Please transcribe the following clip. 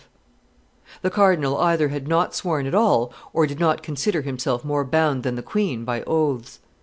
] The cardinal either had not sworn at all or did not consider himself more bound than the queen by oaths.